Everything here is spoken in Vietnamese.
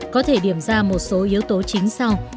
có thể điểm ra một số yếu tố chính sau